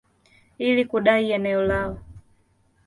ili kudai eneo lao.